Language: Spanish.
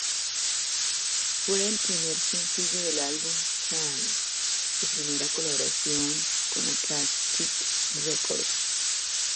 Fue el primer sencillo del álbum "Plans", su primera colaboración con Atlantic Records.